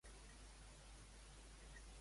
A qui va ensenyar Acacos?